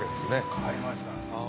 変わりました。